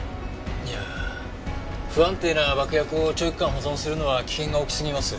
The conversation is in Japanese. いや不安定な爆薬を長期間保存するのは危険が大きすぎます。